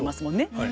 はい。